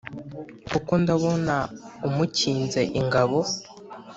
kuko ndabona umukinze ingabo